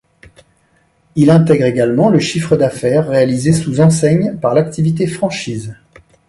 Il intègre également le chiffre d’affaires réalisé sous enseigne par l’activité franchise.